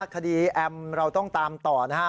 แอมเราต้องตามต่อนะฮะ